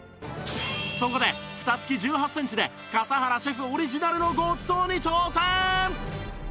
そこで蓋付き１８センチで笠原シェフオリジナルのごちそうに挑戦！